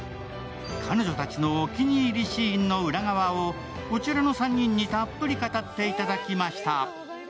彼女たちのお気に入りシーンの裏側を、こちらの３人にたっぷり語っていただきました。